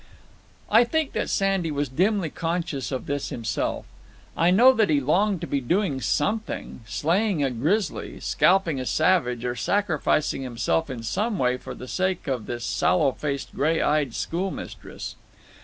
I think that Sandy was dimly conscious of this himself. I know that he longed to be doing something slaying a grizzly, scalping a savage, or sacrificing himself in some way for the sake of this sallow faced, gray eyed schoolmistress.